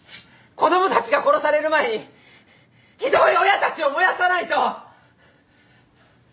子供たちが殺される前にひどい親たちを燃やさないと！